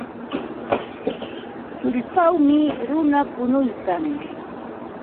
Tullpawmi runa punuykan.